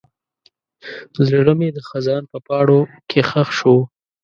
زړه مې د خزان په پاڼو کې ښخ شو.